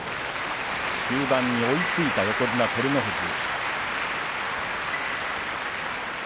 終盤に追いついた横綱照ノ富士。